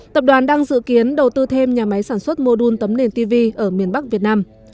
tập đoàn đang dự kiến đầu tư thêm nhà máy sản xuất mô đun tấm nền tv ở miền bắc việt nam